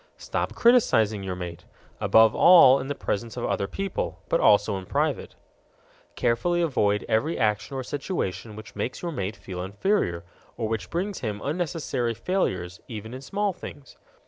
Stop criticizing your mate above all in the presence of other people, but also in private. Carefully avoid every action or situation which makes your mate feel inferior, or which brings him unnecessary failures, even in small things.